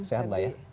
sehat mbak ya